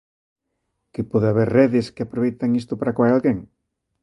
Que pode haber redes que aproveitan isto para coar alguén?